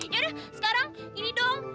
yaudah sekarang ini dong